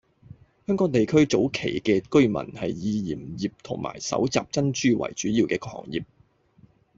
香港地區早期嘅居民係以鹽業同埋搜集珍珠為主要嘅行業。